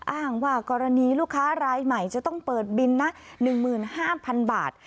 อ้างว่ากรณีลูกค้ารายใหม่จะต้องเปิดบินนะหนึ่งหมื่นห้าพันบาท